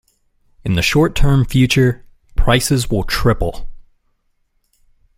In the short term future, prices will triple.